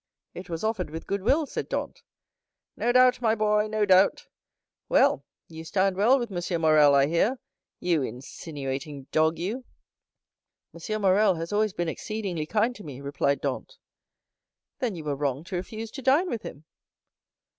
"It was offered with good will," said Dantès. "No doubt, my boy; no doubt. Well, you stand well with M. Morrel I hear,—you insinuating dog, you!" "M. Morrel has always been exceedingly kind to me," replied Dantès. "Then you were wrong to refuse to dine with him."